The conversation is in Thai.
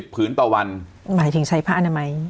ผืนต่อวันหมายถึงใช้ผ้าอนามัย